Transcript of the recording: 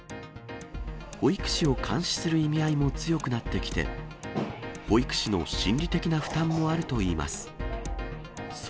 保育士を監視する意味合いも強くなってきて、保育士の心理的な負担もあるといいます。